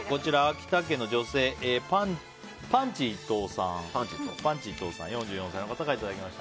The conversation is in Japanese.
秋田県の女性４４歳の方からいただきました。